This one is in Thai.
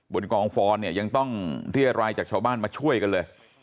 บนกองฟอนเนี่ยยังต้องเรียรายจากชาวบ้านมาช่วยกันเลย